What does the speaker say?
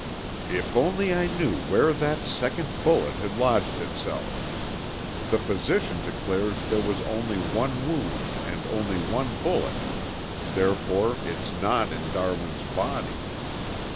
"If only I knew where that second bullet had lodged itself! The physician declares there was only one wound and only one bullet; therefore, it's not in Darwin's body.